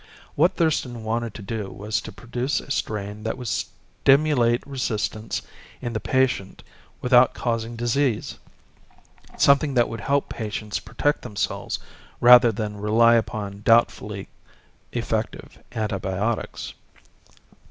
What Thurston wanted to do was to produce a strain that would stimulate resistance in the patient without causing disease something that would help patients protect themselves rather than rely upon doubtfully effective antibiotics."